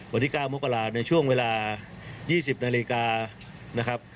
วันที่๙มกลาในช่วงเวลา๒๐นาฬิกา